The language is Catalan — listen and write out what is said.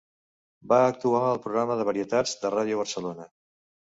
Va actuar al programa de varietats de Ràdio Barcelona.